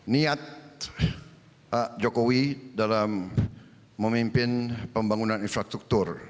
niat pak jokowi dalam memimpin pembangunan infrastruktur